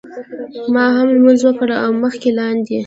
ما هم لمونځ وکړ او مخکې لاندې.